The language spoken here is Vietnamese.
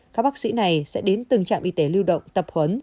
các bác sĩ này sẽ đến từng trạm y tế lưu động tập huấn